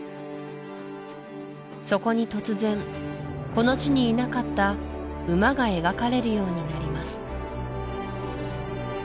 そこに突然この地にいなかった馬が描かれるようになります